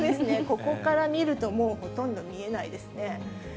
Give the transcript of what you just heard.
ここから見ると、もうほとんど見えないですね。